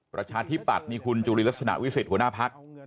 ประชาธิปัตย์นี่คุณจุลินลักษณะวิสิทธิหัวหน้าพัก